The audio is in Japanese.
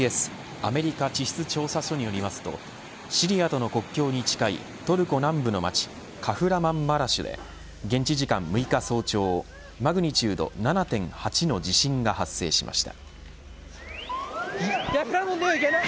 アメリカ地質調査所によりますとシリアとの国境に近いトルコ南部の町カフラマンマラシュで現地時間６日早朝マグニチュード７．８の地震が発生しました。